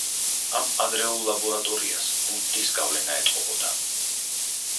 ამ ადრეულ ლაბორატორიას ვუნდტის გავლენა ეტყობოდა.